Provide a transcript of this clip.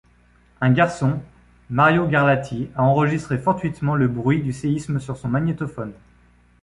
Un garçon, Mario Garlatti, a enregistré fortuitement le bruit du séisme sur son magnétophone.